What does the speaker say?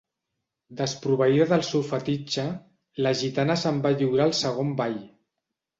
Desproveïda del seu fetitxe, la gitana se'm va lliurar al segon ball.